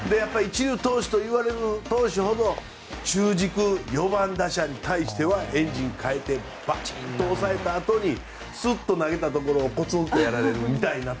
一流といわれる投手ほど中軸、４番打者に対してはエンジンを変えてバチン！と抑えたあとにスッと投げたところをコツンとやられるみたいな。